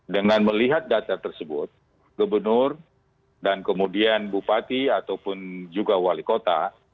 dengan melihat data tersebut gubernur dan kemudian bupati ataupun juga wali kota